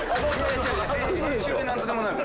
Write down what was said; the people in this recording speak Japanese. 編集で何とでもなるから。